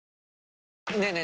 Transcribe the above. ねえねえ